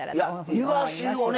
いわしをね